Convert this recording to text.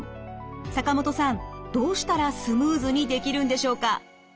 坂本さんどうしたらスムーズにできるんでしょうか？